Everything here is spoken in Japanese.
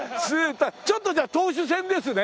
ちょっとじゃあ投手戦ですね。